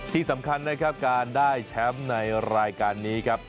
ที่สำคัญนะครับการได้แชมป์ในรายการนี้ครับ